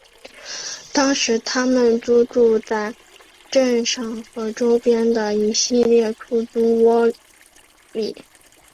当时他们租住在镇上和周边的一系列出租屋里。